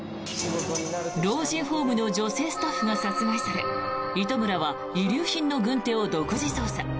老人ホームの女性スタッフが殺害され糸村は遺留品の軍手を独自捜査。